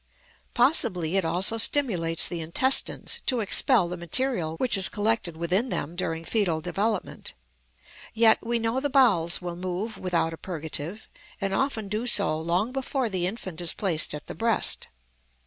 Possibly it also stimulates the intestines to expel the material which has collected within, them during fetal development, yet we know the bowels will move without a purgative; and often do so long before the infant is placed at the breast.